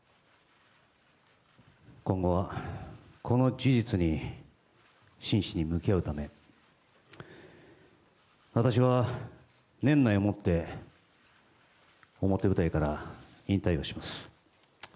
今後はこの事実に真摯に向き合うため、私は年内をもって表舞台から引退をします。